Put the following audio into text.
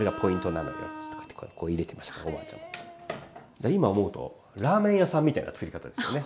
だから今思うとラーメン屋さんみたいなつくり方ですよね。